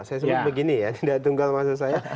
saya sebut begini ya tidak tunggal maksud saya